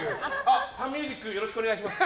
サンミュージックよろしくお願いします。